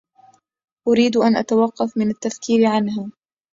أريد أن أتوقف من التفكير عنها.